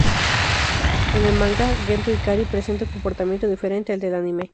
En el manga, Gendo Ikari presenta un comportamiento diferente al del anime.